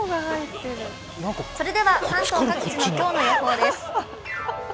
それでは関東各地の今日の予報です。